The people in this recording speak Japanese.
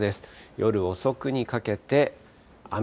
夜遅くにかけて雨。